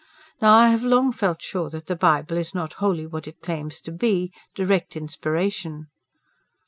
Now I have long felt sure that the Bible is not wholly what it claims to be direct inspiration."